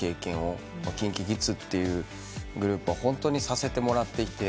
ＫｉｎＫｉＫｉｄｓっていうグループはホントにさせてもらっていて。